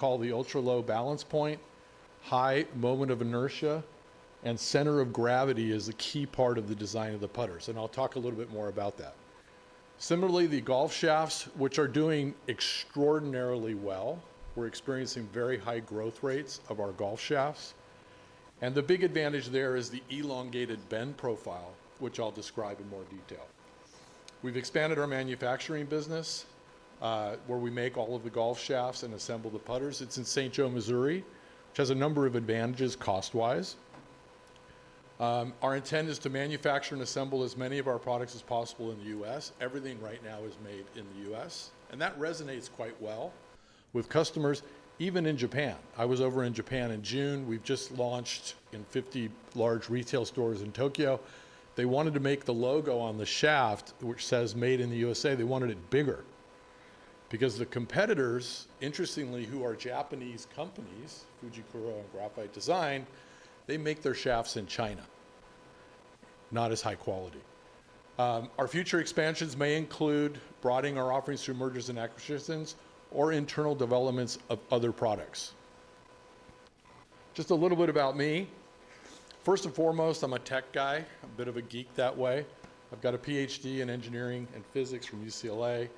Called the ultra-low balance point, high moment of inertia, and center of gravity is a key part of the design of the putters, and I'll talk a little bit more about that. Similarly, the golf shafts, which are doing extraordinarily well, we're experiencing very high growth rates of our golf shafts, and the big advantage there is the elongated bend profile, which I'll describe in more detail. We've expanded our manufacturing business, where we make all of the golf shafts and assemble the putters. It's in St. Joe, Missouri, which has a number of advantages cost-wise. Our intent is to manufacture and assemble as many of our products as possible in the U.S. Everything right now is made in the U.S., and that resonates quite well with customers even in Japan. I was over in Japan in June. We've just launched in 50 large retail stores in Tokyo. They wanted to make the logo on the shaft, which says "Made in the U.S.A." They wanted it bigger because the competitors, interestingly, who are Japanese companies, Fujikura and Graphite Design, they make their shafts in China, not as high quality. Our future expansions may include broadening our offerings through mergers and acquisitions or internal developments of other products. Just a little bit about me. First and foremost, I'm a tech guy, a bit of a geek that way. I've got a Ph.D. in engineering and physics from UCLA,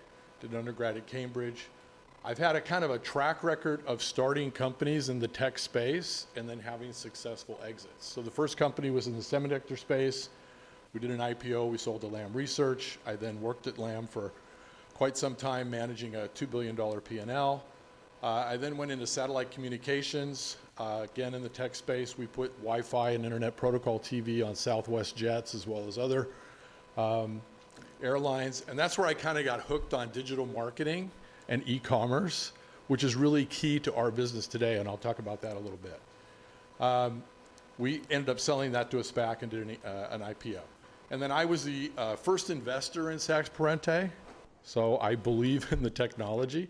did an undergrad at Cambridge. I've had a kind of a track record of starting companies in the tech space and then having successful exits. So the first company was in the semiconductor space. We did an IPO. We sold to Lam Research. I then worked at Lam for quite some time managing a $2 billion P&L. I then went into satellite communications. Again, in the tech space, we put Wi-Fi and Internet Protocol TV on Southwest jets as well as other airlines. That's where I kind of got hooked on digital marketing and e-commerce, which is really key to our business today, and I'll talk about that a little bit. We ended up selling that to a SPAC and did an IPO. Then I was the first investor in Sacks Parente, so I believe in the technology,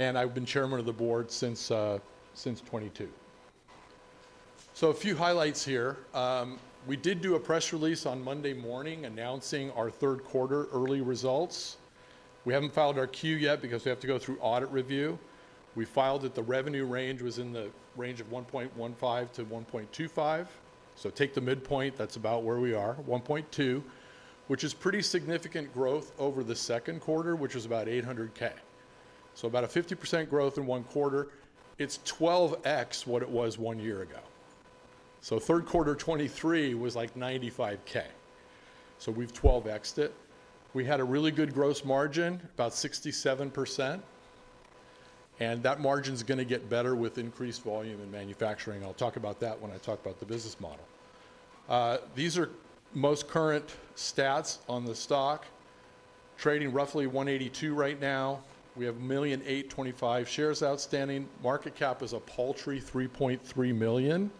and I've been chairman of the board since 2022. A few highlights here. We did do a press release on Monday morning announcing our third quarter early results. We haven't filed our Q yet because we have to go through audit review. We filed that the revenue range was in the range of $1.15-$1.25. Take the midpoint. That's about where we are, $1.2 million, which is pretty significant growth over the second quarter, which was about $800,000. So about a 50% growth in one quarter. It's 12X what it was 1 year ago. So third quarter 2023 was like $95,000. So we've 12X'd it. We had a really good gross margin, about 67%, and that margin's gonna get better with increased volume and manufacturing. I'll talk about that when I talk about the business model. These are most current stats on the stock. Trading roughly $182 right now. We have 1,008,025 shares outstanding. Market cap is a paltry $3.3 million.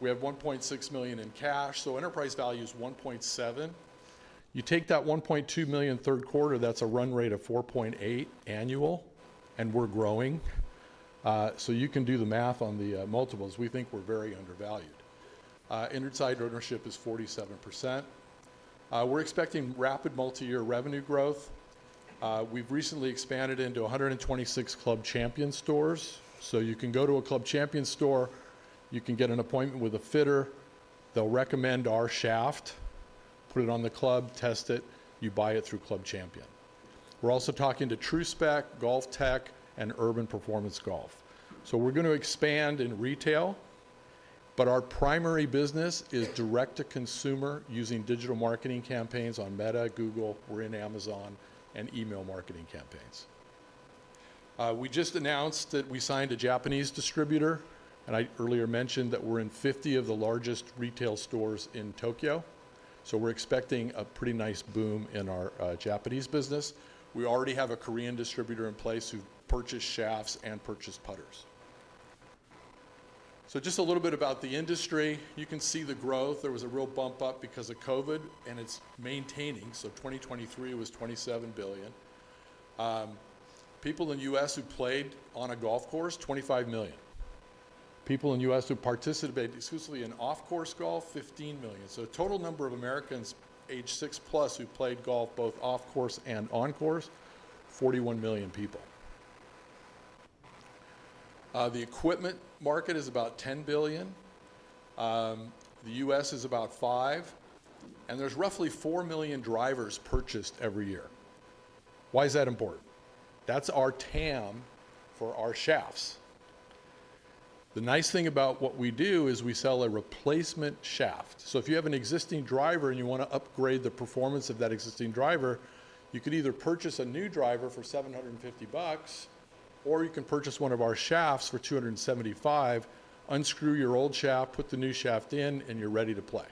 We have $1.6 million in cash, so enterprise value's $1.7 million. You take that $1.2 million third quarter, that's a run rate of $4.8 million annual, and we're growing. So you can do the math on the multiples. We think we're very undervalued. Inside ownership is 47%. We're expecting rapid multi-year revenue growth. We've recently expanded into 126 Club Champion stores. So you can go to a Club Champion store, you can get an appointment with a fitter. They'll recommend our shaft, put it on the club, test it. You buy it through Club Champion. We're also talking to True Spec Golf, GOLFTEC, and Urban Golf Performance. So we're gonna expand in retail, but our primary business is direct-to-consumer using digital marketing campaigns on Meta, Google, we're in Amazon, and email marketing campaigns. We just announced that we signed a Japanese distributor, and I earlier mentioned that we're in 50 of the largest retail stores in Tokyo. So we're expecting a pretty nice boom in our Japanese business. We already have a Korean distributor in place who purchased shafts and purchased putters. So just a little bit about the industry. You can see the growth. There was a real bump up because of COVID, and it's maintaining, so 2023 was 27 million people in the U.S. who played on a golf course, 25 million people in the U.S. who participated exclusively in off-course golf, 15 million, so the total number of Americans age 6 plus who played golf both off-course and on-course, 41 million people. The equipment market is about $10 billion. The U.S. is about $5 billion, and there's roughly 4 million drivers purchased every year. Why is that important? That's our TAM for our shafts. The nice thing about what we do is we sell a replacement shaft. If you have an existing driver and you wanna upgrade the performance of that existing driver, you could either purchase a new driver for $750 or you can purchase one of our shafts for $275, unscrew your old shaft, put the new shaft in, and you're ready to play.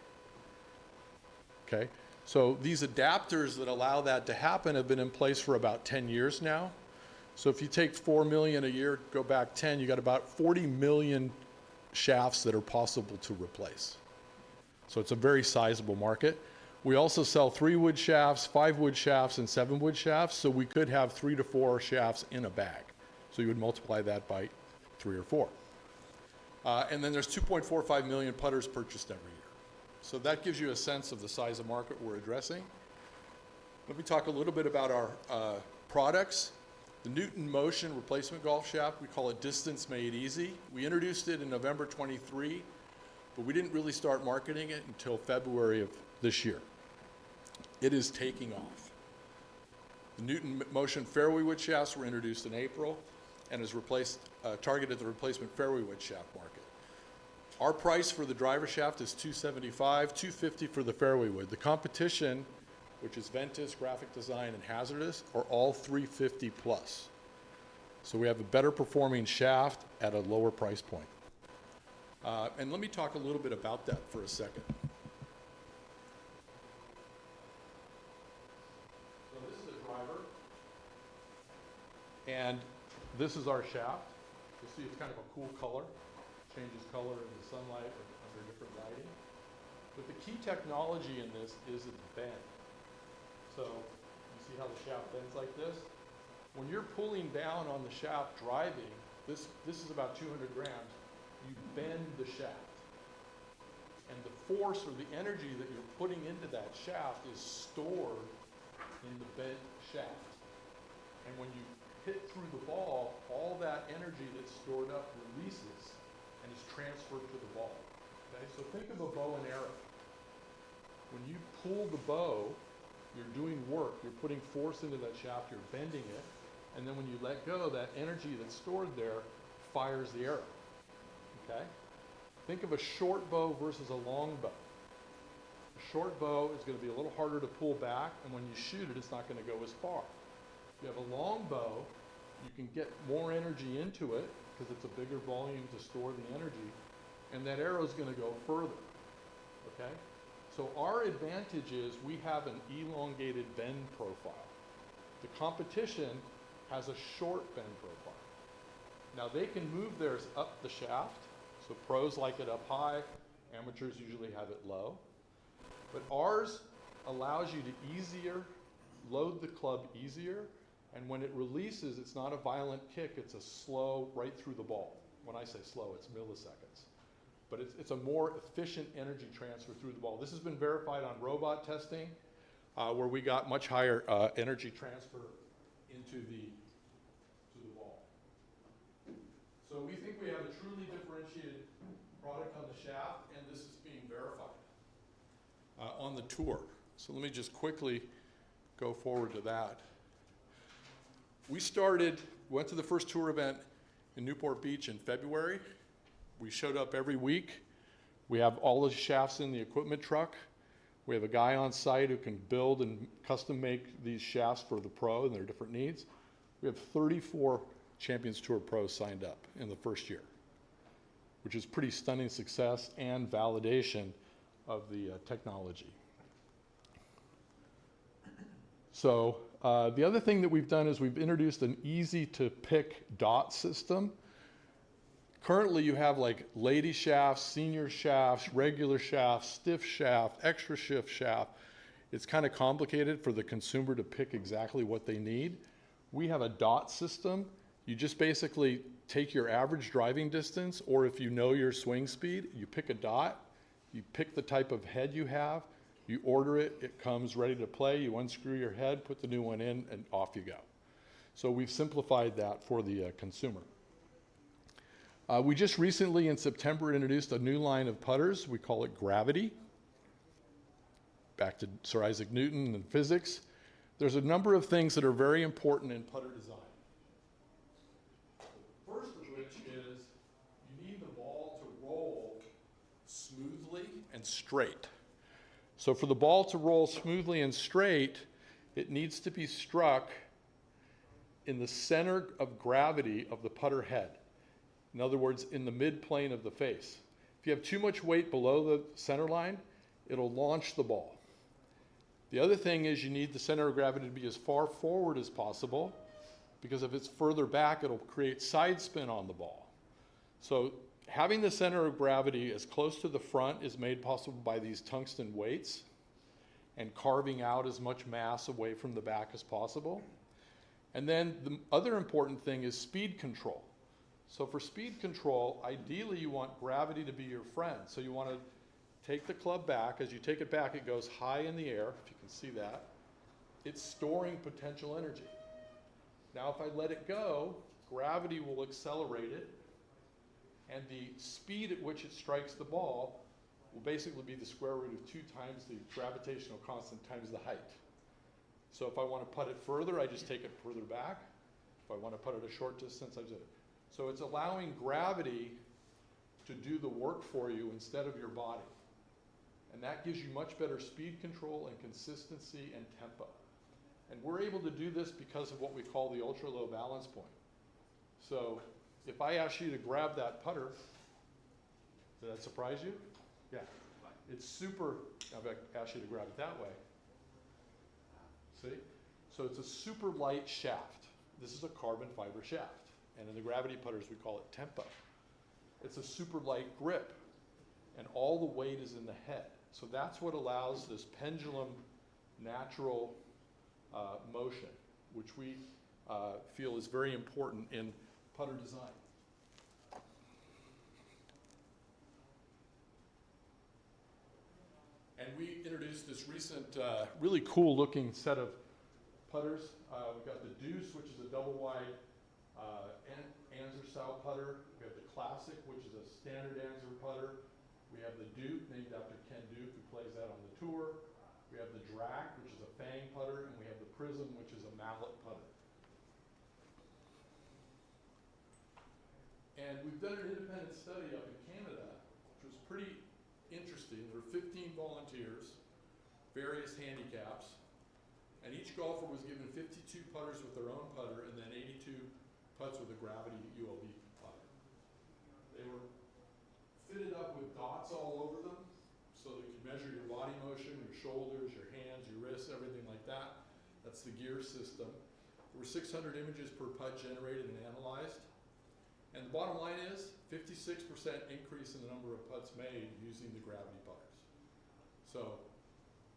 Okay? These adapters that allow that to happen have been in place for about 10 years now. If you take four million a year, go back 10, you got about 40 million shafts that are possible to replace. It's a very sizable market. We also sell 3 wood shafts, 5 wood shafts, and 7 wood shafts, so we could have 3-4 shafts in a bag. You would multiply that by 3 or four, and then there's 2.45 million putters purchased every year. So that gives you a sense of the size of market we're addressing. Let me talk a little bit about our products. The Newton Motion replacement golf shaft, we call it Distance Made Easy. We introduced it in November 2023, but we didn't really start marketing it until February of this year. It is taking off. The Newton Motion Fairway Wood shafts were introduced in April and is replaced, targeted the replacement fairway wood shaft market. Our price for the driver shaft is $275, $250 for the fairway wood. The competition, which is Ventus, Graphite Design, and HZRDUS, are all $350+. So we have a better performing shaft at a lower price point. And let me talk a little bit about that for a second. So this is a driver, and this is our shaft. You'll see it's kind of a cool color. It changes color in the sunlight and under different lighting. But the key technology in this is its bend. So you see how the shaft bends like this. When you're pulling down on the shaft driving, this is about 200 grams. You bend the shaft, and the force or the energy that you're putting into that shaft is stored in the bent shaft. And when you hit through the ball, all that energy that's stored up releases and is transferred to the ball. Okay? So think of a bow and arrow. When you pull the bow, you're doing work. You're putting force into that shaft. You're bending it. And then when you let go, that energy that's stored there fires the arrow. Okay? Think of a short bow versus a long bow. A short bow is gonna be a little harder to pull back, and when you shoot it, it's not gonna go as far. If you have a long bow, you can get more energy into it 'cause it's a bigger volume to store the energy, and that arrow's gonna go further. Okay? So our advantage is we have an elongated bend profile. The competition has a short bend profile. Now, they can move theirs up the shaft, so pros like it up high. Amateurs usually have it low. But ours allows you to easier load the club easier, and when it releases, it's not a violent kick. It's a slow right through the ball. When I say slow, it's milliseconds. But it's, it's a more efficient energy transfer through the ball. This has been verified on robot testing, where we got much higher energy transfer into the, to the ball. So we think we have a truly differentiated product on the shaft, and this is being verified on the tour. So let me just quickly go forward to that. We started, went to the first tour event in Newport Beach in February. We showed up every week. We have all the shafts in the equipment truck. We have a guy on site who can build and custom-make these shafts for the pro and their different needs. We have 34 Champions Tour pros signed up in the first year, which is pretty stunning success and validation of the technology. So, the other thing that we've done is we've introduced an easy-to-pick dot system. Currently, you have like lady shafts, senior shafts, regular shafts, stiff shaft, extra stiff shaft. It's kind of complicated for the consumer to pick exactly what they need. We have a dot system. You just basically take your average driving distance, or if you know your swing speed, you pick a dot, you pick the type of head you have, you order it, it comes ready to play, you unscrew your head, put the new one in, and off you go. So we've simplified that for the consumer. We just recently, in September, introduced a new line of putters. We call it Gravity. Back to Sir Isaac Newton and physics. There's a number of things that are very important in putter design. The first of which is you need the ball to roll smoothly and straight. So for the ball to roll smoothly and straight, it needs to be struck in the center of gravity of the putter head. In other words, in the midplane of the face. If you have too much weight below the center line, it'll launch the ball. The other thing is you need the center of gravity to be as far forward as possible because if it's further back, it'll create side spin on the ball. So having the center of gravity as close to the front is made possible by these tungsten weights and carving out as much mass away from the back as possible. And then the other important thing is speed control. So for speed control, ideally, you want gravity to be your friend. So you wanna take the club back. As you take it back, it goes high in the air. If you can see that, it's storing potential energy. Now, if I let it go, gravity will accelerate it, and the speed at which it strikes the ball will basically be the square root of 2X the gravitational constant times the height. So if I wanna put it further, I just take it further back. If I wanna put it a short distance, I just... So it's allowing gravity to do the work for you instead of your body. And that gives you much better speed control and consistency and tempo. And we're able to do this because of what we call the ultra-low balance point. So if I ask you to grab that putter, did that surprise you? Yeah. It's super... I've asked you to grab it that way. See? So it's a super light shaft. This is a carbon fiber shaft. And in the Gravity putters, we call it tempo. It's a super light grip, and all the weight is in the head. So that's what allows this pendulum natural motion, which we feel is very important in putter design. And we introduced these recent, really cool-looking set of putters. We've got the Deuce, which is a double-wide, Anser-style putter. We have the Classic, which is a standard Anser putter. We have the Duke, named after Ken Duke, who plays that on the tour. We have the Drac, which is a fang-style putter, and we have the Prism, which is a mallet putter. And we've done an independent study up in Canada, which was pretty interesting. There were 15 volunteers, various handicaps, and each golfer was given 52 putts with their own putter and then 82 putts with a Gravity ULB putter. They were fitted up with dots all over them so that you could measure your body motion, your shoulders, your hands, your wrists, everything like that. That's the GEARS system. There were 600 images per putt generated and analyzed. And the bottom line is 56% increase in the number of putts made using the Gravity putters. So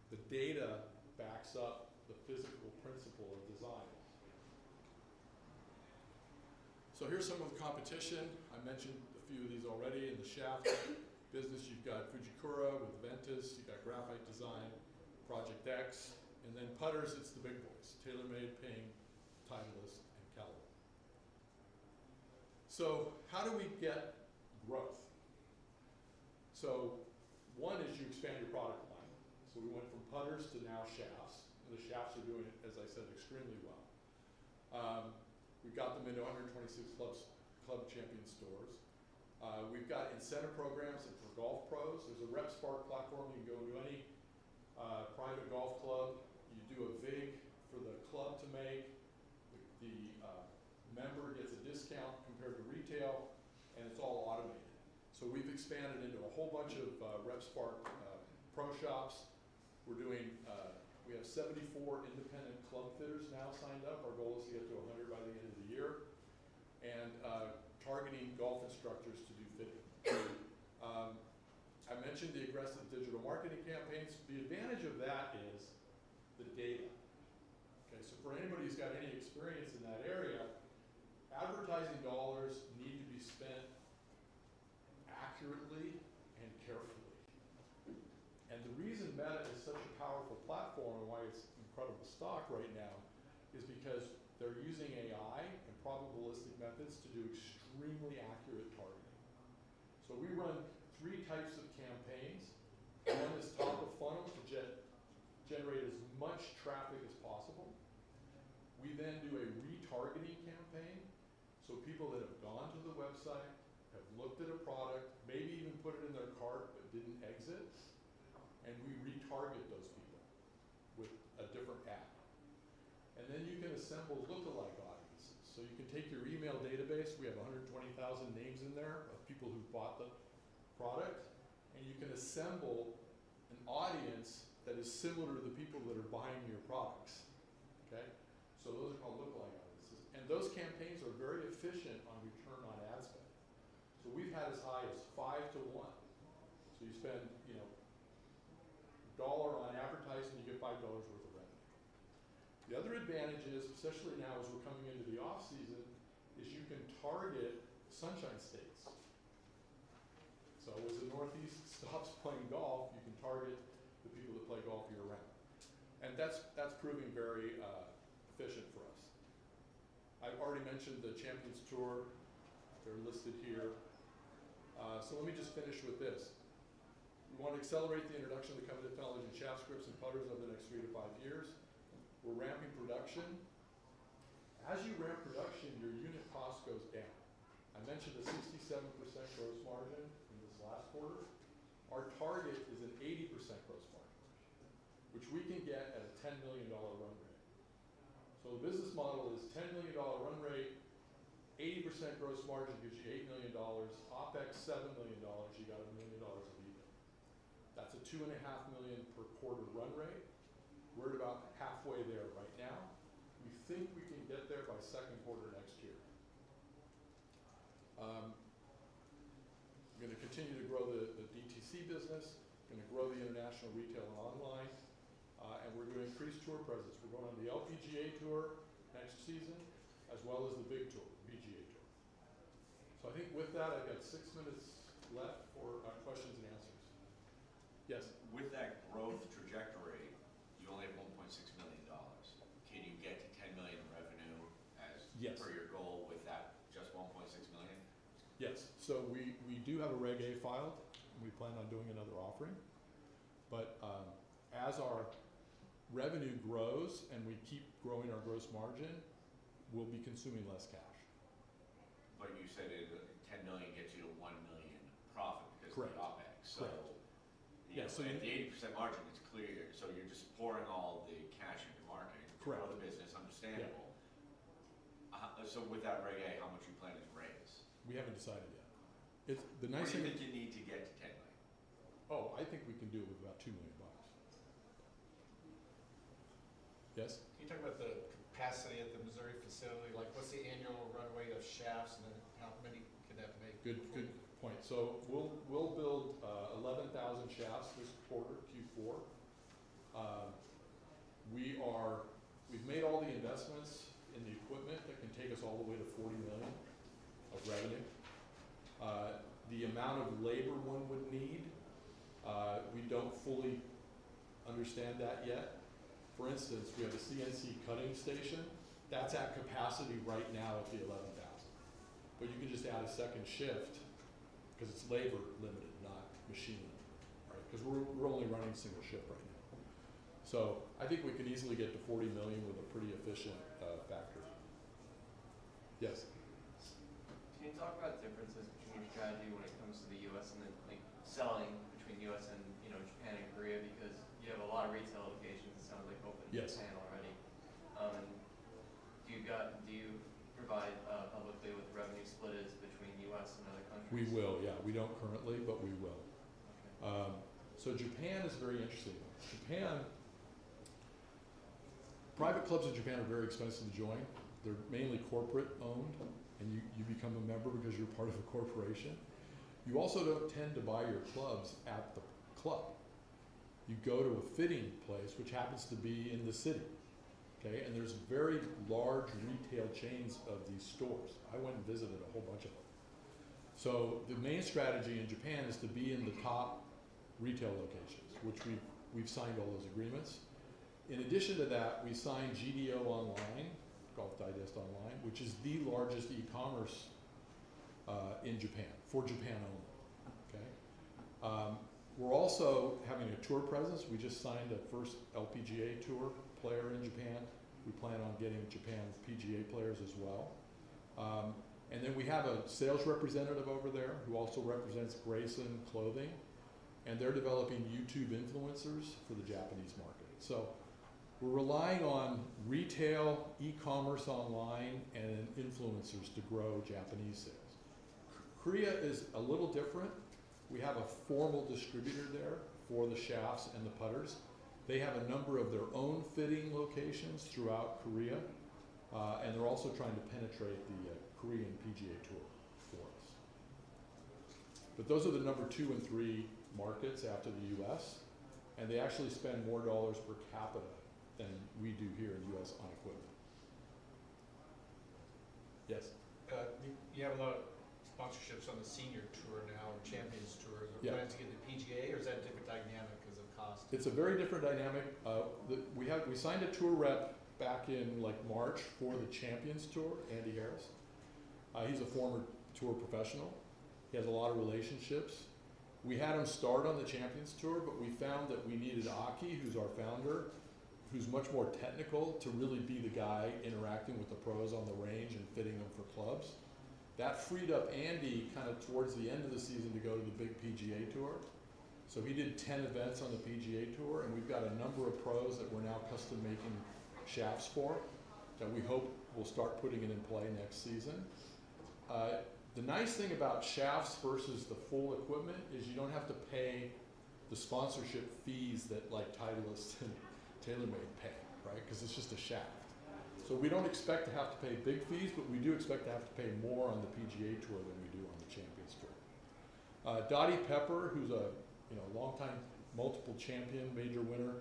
the data backs up the physical principle of design. So here's some of the competition. I mentioned a few of these already. In the shaft business, you've got Fujikura with Ventus. You've got Graphite Design, Project X. And then putters, it's the big boys: TaylorMade, Ping, Titleist, and Callaway. So how do we get growth? So one is you expand your product line. So we went from putters to now shafts, and the shafts are doing it, as I said, extremely well. We got them into 126 Club Champion stores. We've got incentive programs for golf pros. There's a RepSpark platform. You can go into any private golf club. You do a vig for the club to make. The member gets a discount compared to retail, and it's all automated. So we've expanded into a whole bunch of RepSpark pro shops. We have 74 independent club fitters now signed up. Our goal is to get to 100 by the end of the year and targeting golf instructors to do fitting. I mentioned the aggressive digital marketing campaigns. The advantage of that is the data. Okay? So for anybody who's got any experience in that area, advertising dollars need to be spent accurately and carefully. And the reason Meta is such a powerful platform and why it's an incredible stock right now is because they're using AI and probabilistic methods to do extremely accurate targeting. So we run 3 types of campaigns. One is top of funnel to generate as much traffic as possible. We then do a retargeting campaign. So people that have gone to the website, have looked at a product, maybe even put it in their cart but didn't exit, and we retarget those people with a different ad, and then you can assemble Lookalike Audiences, so you can take your email database. We have 120,000 names in there of people who've bought the product, and you can assemble an audience that is similar to the people that are buying your products. Okay? So those are called Lookalike Audiences, and those campaigns are very efficient on return on ad spend, so we've had as high as 5:1, so you spend, you know, $1 on advertising, you get $5 worth of revenue. The other advantages, especially now as we're coming into the off-season, is you can target Sunshine States, so as the Northeast stops playing golf, you can target the people that play golf year-round. That's proving very efficient for us. I've already mentioned the Champions Tour. They're listed here. So let me just finish with this. We wanna accelerate the introduction of the Newton Motion shafts and putters over the next 3-5 years. We're ramping production. As you ramp production, your unit cost goes down. I mentioned a 67% gross margin in this last quarter. Our target is an 80% gross margin, which we can get at a $10 million run rate. So the business model is $10 million run rate, 80% gross margin gives you $8 million, OpEx $7 million. You got $1 million of EBIT. That's a $2.5 million per quarter run rate. We're at about halfway there right now. We think we can get there by second quarter next year. We're gonna continue to grow the DTC business. We're gonna grow the international retail and online, and we're gonna increase tour presence. We're going on the LPGA Tour next season as well as the big tour, PGA Tour. So I think with that, I've got 6 minutes left for questions and answers. Yes. With that growth trajectory, you only have $1.6 million. Can you get to 10 million in revenue as per your goal with that just 1.6 million? Yes. So we do have a Reg A filed, and we plan on doing another offering. But as our revenue grows and we keep growing our gross margin, we'll be consuming less cash. But you said it, 10 million gets you to 1 million profit because of the OPEX. Correct. So, yeah. So you. And the 80% margin, it's clear. So you're just pouring all the cash into marketing. Correct. For the business. Understandable. So with that Reg A, how much are you planning to raise? We haven't decided yet. It's the nice thing. What do you think you need to get to $10 million? Oh, I think we can do it with about $2 million. Yes? Can you talk about the capacity at the Missouri facility? Like, what's the annual run rate of shafts and then how many can that make? Good point. So we'll build 11,000 shafts this quarter, Q4. We've made all the investments in the equipment that can take us all the way to $40 million of revenue. The amount of labor one would need, we don't fully understand that yet. For instance, we have a CNC cutting station. That's at capacity right now at the 11,000. But you can just add a second shift 'cause it's labor-limited, not machine-limited. Right? 'Cause we're only running single shift right now. So I think we can easily get to $40 million with a pretty efficient factory. Yes? Can you talk about differences between your strategy when it comes to the U.S. and then, like, selling between the U.S. and, you know, Japan and Korea? Because you have a lot of retail locations, it sounds like, open in Japan already. Do you provide publicly with revenue splits between U.S. and other countries? We will. Yeah. We don't currently, but we will. Okay. So Japan is a very interesting one. Japan, private clubs in Japan are very expensive to join. They're mainly corporate-owned, and you become a member because you're part of a corporation. You also don't tend to buy your clubs at the club. You go to a fitting place, which happens to be in the city. Okay? And there's very large retail chains of these stores. I went and visited a whole bunch of them. So the main strategy in Japan is to be in the top retail locations, which we've signed all those agreements. In addition to that, we signed GDO, called Golf Digest Online, which is the largest e-commerce in Japan for Japan only. Okay? We're also having a tour presence. We just signed a first LPGA Tour player in Japan. We plan on getting Japan's PGA players as well. And then we have a sales representative over there who also represents Greyson Clothiers, and they're developing YouTube influencers for the Japanese market. So we're relying on retail, e-commerce online, and influencers to grow Japanese sales. Korea is a little different. We have a formal distributor there for the shafts and the putters. They have a number of their own fitting locations throughout Korea. And they're also trying to penetrate the Korean PGA Tour for us. But those are the number 2 and 3 markets after the U.S., and they actually spend more dollars per capita than we do here in the U.S. on equipment. Yes? You have a lot of sponsorships on the Senior Tour now and Champions Tour. Yeah. Are you planning to get the PGA, or is that a different dynamic 'cause of cost? It's a very different dynamic. We signed a tour rep back in, like, March for the Champions Tour, Andy Harris. He's a former tour professional. He has a lot of relationships. We had him start on the Champions Tour, but we found that we needed Aki, who's our founder, who's much more technical, to really be the guy interacting with the pros on the range and fitting them for clubs. That freed up Andy kind of towards the end of the season to go to the big PGA Tour, so he did 10 events on the PGA Tour, and we've got a number of pros that we're now custom-making shafts for that we hope we'll start putting it in play next season. The nice thing about shafts versus the full equipment is you don't have to pay the sponsorship fees that, like, Titleist and TaylorMade pay, right? 'Cause it's just a shaft. So we don't expect to have to pay big fees, but we do expect to have to pay more on the PGA Tour than we do on the Champions Tour. Dottie Pepper, who's a, you know, longtime multiple champion, major winner,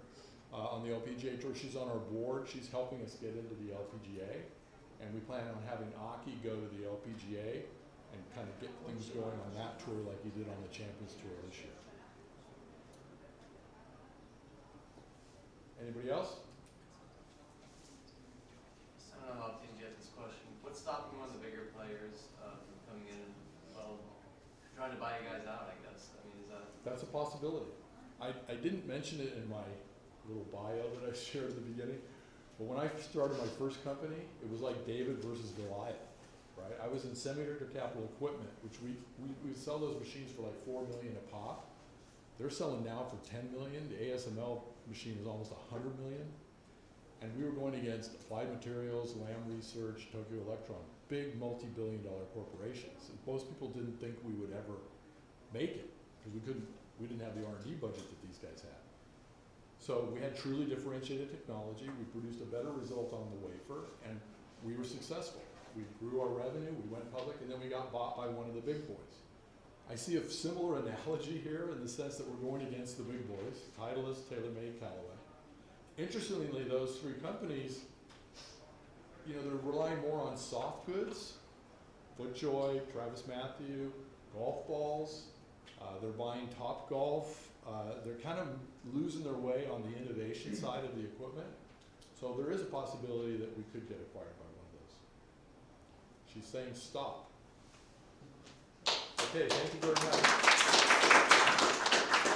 on the LPGA Tour, she's on our board. She's helping us get into the LPGA, and we plan on having Aki go to the LPGA and kind of get things going on that tour like he did on the Champions Tour this year. Anybody else? I don't know if you can get this question. What's stopping one of the bigger players from coming in and, well, trying to buy you guys out, I guess? I mean, is that? That's a possibility. I didn't mention it in my little bio that I shared at the beginning, but when I started my first company, it was like David versus Goliath, right? I was in semiconductor capital equipment, which we sell those machines for like $4 million a pop. They're selling now for $10 million. The ASML machine was almost $100 million, and we were going against Applied Materials, Lam Research, Tokyo Electron, big multi-billion-dollar corporations. And most people didn't think we would ever make it 'cause we couldn't, we didn't have the R&D budget that these guys had. So we had truly differentiated technology. We produced a better result on the wafer, and we were successful. We grew our revenue. We went public, and then we got bought by one of the big boys. I see a similar analogy here in the sense that we're going against the big boys: Titleist, TaylorMade, Callaway. Interestingly, those 3 companies, you know, they're relying more on soft goods: FootJoy, TravisMathew, golf balls. They're buying Topgolf. They're kind of losing their way on the innovation side of the equipment. So there is a possibility that we could get acquired by one of those. She's saying stop. Okay. Thank you very much.